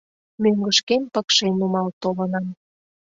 Мӧҥгышкем пыкше нумал толынам.